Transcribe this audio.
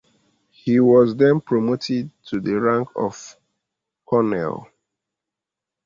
He was then promoted to the rank of colonel.